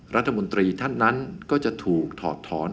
รัฐมนตรีท่านนั้นก็จะถูกถอดถอน